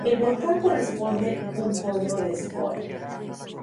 El volcán corresponde un cono de escoria.